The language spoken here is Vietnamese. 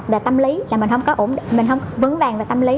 về tâm lý là mình không vững vàng về tâm lý